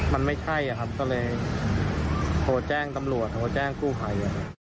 มันไม่ใช่ครับก็เลยโทรแจ้งตำรวจโทรแจ้งกู้ภัย